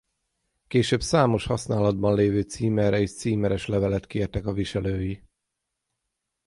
Később számos használatban levő címerre is címeres levelet kértek a viselői.